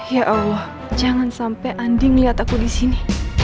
ya allah jangan sampai andi melihat aku disini